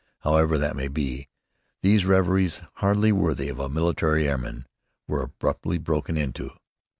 However that may be, these reveries, hardly worthy of a military airman, were abruptly broken into.